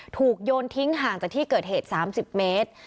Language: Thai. โยนทิ้งห่างจากที่เกิดเหตุ๓๐เมตร